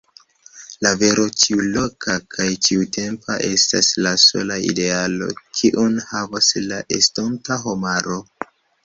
La vero, ĉiuloka kaj ĉiutempa, estas la sola idealo, kiun havos la estonta homaro.